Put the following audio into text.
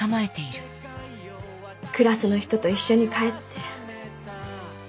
クラスの人と一緒に帰って。